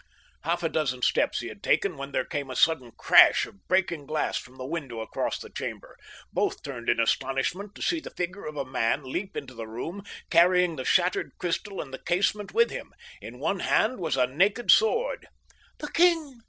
Half a dozen steps he had taken when there came a sudden crash of breaking glass from the window across the chamber. Both turned in astonishment to see the figure of a man leap into the room, carrying the shattered crystal and the casement with him. In one hand was a naked sword. "The king!"